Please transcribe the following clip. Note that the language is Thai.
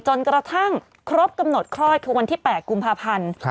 จนกระทั่งครบกำหนดคลอดคือวันที่๘กุมภาพันธ์